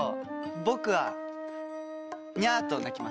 「僕はニャーと鳴きます」